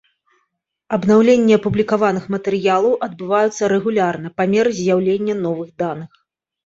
Абнаўленні апублікаваных матэрыялаў адбываюцца рэгулярна па меры з'яўлення новых даных.